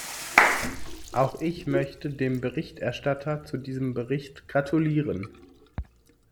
Auch ich möchte dem Berichterstatter zu diesem Bericht gratulieren.